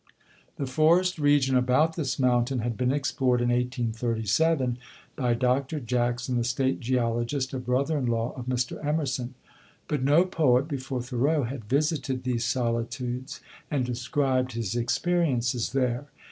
The forest region about this mountain had been explored in 1837 by Dr. Jackson, the State Geologist, a brother in law of Mr. Emerson; but no poet before Thoreau had visited these solitudes and described his experiences there.